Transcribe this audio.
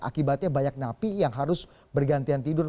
akibatnya banyak napi yang harus bergantian tidur